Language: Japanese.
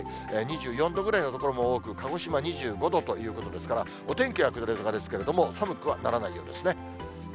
２４度ぐらいの所も多く、鹿児島２５度ということですから、お天気は下り坂ですけれども、寒くはならないようですね。